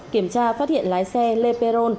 kiểm tra phát hiện lái xe le peron